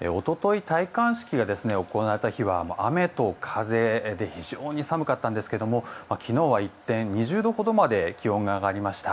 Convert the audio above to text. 一昨日、戴冠式が行われた日は雨と風で非常に寒かったんですが昨日は一転、２０度ほどまで気温が上がりました。